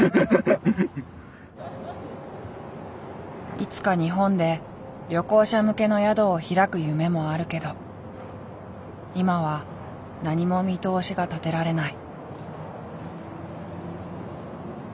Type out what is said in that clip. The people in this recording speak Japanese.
いつか日本で旅行者向けの宿を開く夢もあるけど今は何も見通しが立てられない。